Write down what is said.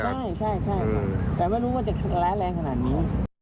แต่ไม่รู้ว่าจะแร้แรงขนาดนี้